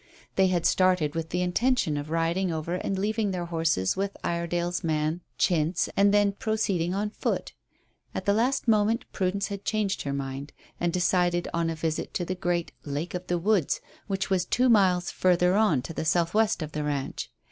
They had started with the intention of riding over and leaving their horses with Iredale's man, Chintz, and then proceeding on foot. At the last moment Prudence had changed her mind and decided on a visit to the great Lake of the Woods, which was two miles further on to the south west of the ranch.